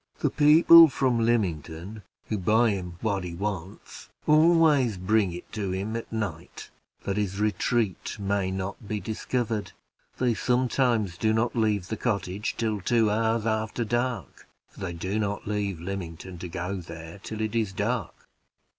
The people from Lymington, who buy him what he wants, always bring it to him at night, that his retreat may not be discovered. They sometimes do not leave the cottage till two hours after dark, for they do not leave Lymington to go there till it is dark."